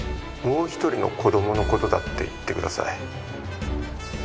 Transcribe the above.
もう一人の子供の事だって言ってください。